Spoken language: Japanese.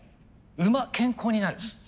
「馬」「健康になる」。